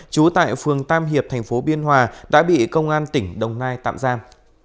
trú tại phường tam hiệp thành phố biên hòa đã bị công an tỉnh đồng nai tạm giam